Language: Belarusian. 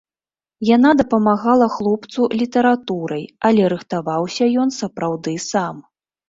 Яна дапамагала хлопцу літаратурай, але рыхтаваўся ён сапраўды сам.